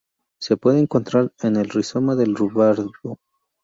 Se puede encontrar en el rizoma del ruibarbo.